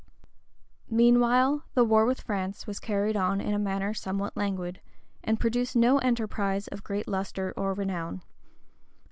} Meanwhile the war with France was carried on in a manner somewhat languid, and produced no enterprise of great lustre or renown.